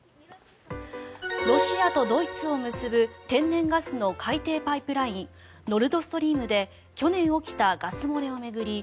ロシアとドイツを結ぶ天然ガスの海底パイプラインノルド・ストリームで去年起きたガス漏れを巡り